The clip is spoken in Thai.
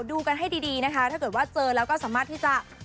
ดูกันให้ดีนะคะถ้าเกิดว่าเจอแล้วก็สามารถที่จะ